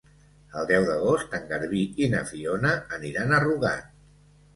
El deu d'agost en Garbí i na Fiona aniran a Rugat.